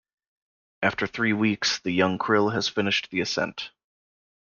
After three weeks, the young krill has finished the ascent.